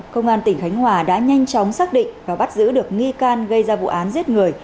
công an tỉnh khánh hòa đã nhanh chóng xác định và bắt giữ được nghi can gây ra vụ án giết người